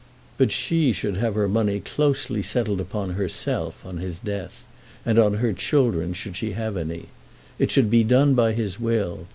But she should have her money closely settled upon herself on his death, and on her children, should she then have any. It should be done by his will.